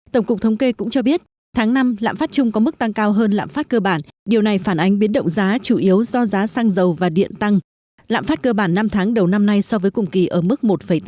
tổng cục thống kê cũng cho biết tháng năm lãm phát chung có mức tăng cao hơn lạm phát cơ bản điều này phản ánh biến động giá chủ yếu do giá xăng dầu và điện tăng lạm phát cơ bản năm tháng đầu năm nay so với cùng kỳ ở mức một tám